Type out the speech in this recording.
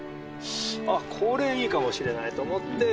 あっこれいいかもしれないと思って